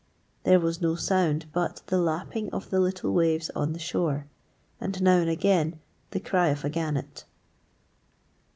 There was no sound but the lapping of the little waves on the shore, and now and again the cry of a gannet.